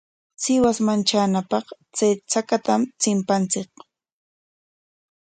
Sihuasman traanapaqqa chay chakatam chimpanchik.